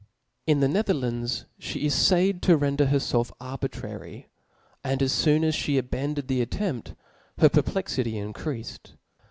In the Netherlands, (he eflayedto rendfer herfelf arbitrary ; and as foon as fhe abandoned the at tempt, her perplexity increafed.